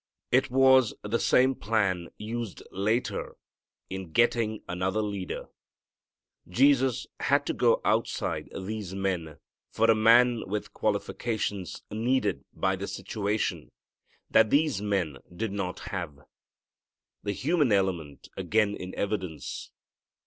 It was the same plan used later in getting another leader. Jesus had to go outside these men for a man with qualifications needed by the situation that these men did not have. The human element again in evidence.